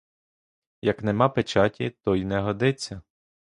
Як нема печаті, то й не годиться.